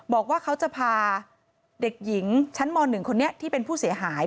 บอกว่าเขาจะพาเด็กหญิงชั้นม๑คนนี้ที่เป็นผู้เสียหาย